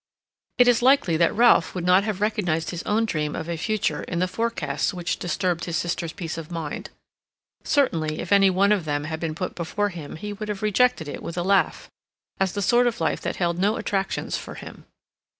It is likely that Ralph would not have recognized his own dream of a future in the forecasts which disturbed his sister's peace of mind. Certainly, if any one of them had been put before him he would have rejected it with a laugh, as the sort of life that held no attractions for him.